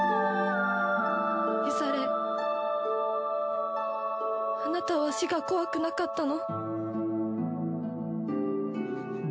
ユザレあなたは死が怖くなかったの？